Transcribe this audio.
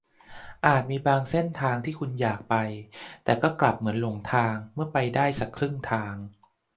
อาจมีบางเส้นทางที่คุณอยากไป แต่ก็กลับเหมือนหลงทางเมื่อไปได้สักครึ่งทาง